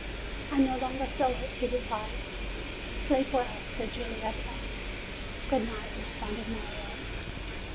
"I no longer feel it," he replied. "Sleep well," said Giulietta. "Good night," responded Mario.